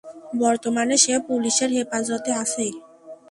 বর্তমানে সে পুলিশের হেফাজতে আছে।